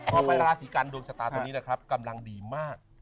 พอไปราศีกันดวงชะตาตัวนี้นะครับกำลังดีมาก